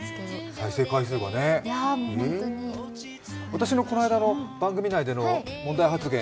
再生回数がね、私のこの間の番組内での問題発言